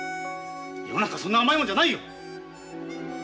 世の中そんな甘いもんじゃないよ！